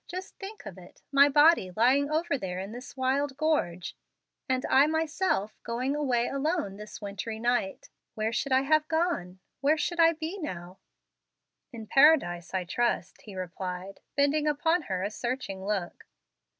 Just think of it, my body lying over there in this wild gorge, and I, myself, going away alone this wintry night. Where should I have gone? Where should I be now?" "In paradise, I trust," he replied, bending upon her a searching look.